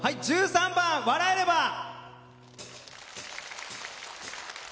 １３番「笑えれば」。